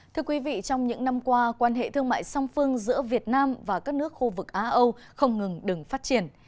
thưa quý vị trong những năm qua quan hệ thương mại song phương giữa việt nam và các nước khu vực á âu không ngừng đừng phát triển